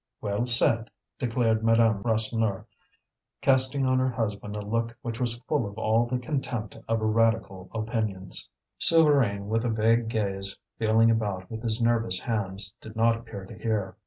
"Well said!" declared Madame Rasseneur, casting on her husband a look which was full of all the contempt of her radical opinions. Souvarine, with a vague gaze, feeling about with his nervous hands, did not appear to hear.